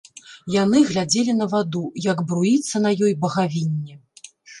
Яны глядзелі на ваду, як бруіцца на ёй багавінне.